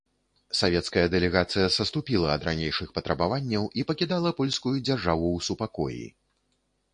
Савецкая дэлегацыя саступіла ад ранейшых патрабаванняў і пакідала польскую дзяржаву ў супакоі.